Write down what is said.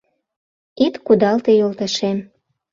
Ит кудалте, йолташем!